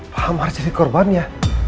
pak amar jadi korban ya